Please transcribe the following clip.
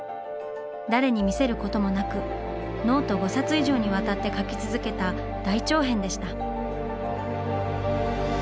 誰に見せることもなくノート５冊以上にわたって描き続けた大長編でした。